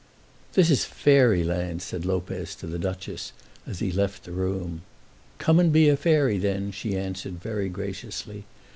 "This is fairy land," said Lopez to the Duchess, as he left the room. "Come and be a fairy then," she answered, very graciously.